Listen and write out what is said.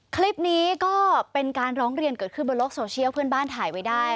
คลิปนี้ก็เป็นการร้องเรียนเกิดขึ้นบนโลกโซเชียลเพื่อนบ้านถ่ายไว้ได้